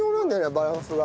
バランスが。